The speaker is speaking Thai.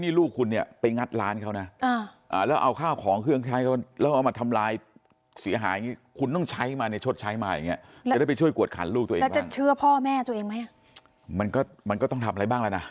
นี่ลูกคุณไปงัดร้านเขานะแล้วเอาข้าวของเครื่องชายเขา